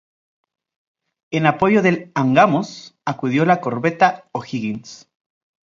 En apoyo del "Angamos" acudió la corbeta O'Higgins.